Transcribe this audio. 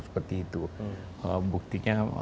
seperti itu buktinya